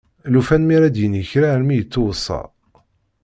Llufan mi ara d-yini kra armi ittuweṣṣa.